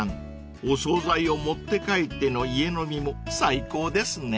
［お総菜を持って帰っての家飲みも最高ですね］